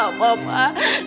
aku salah apa pak